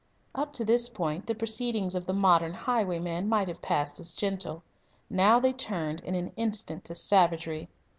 Up to this point the proceedings of the modern highwayman might have passed as gentle. Now they turned in an instant to savagery.